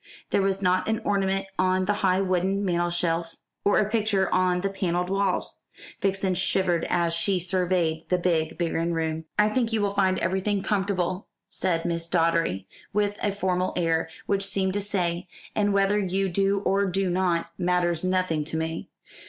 There was not an ornament on the high wooden mantelshelf, or a picture on the panelled walls. Vixen shivered as she surveyed the big barren room. "I think you will find everything comfortable," said Mrs. Doddery, with a formal air, which seemed to say, "and whether you do or do not matters nothing to me."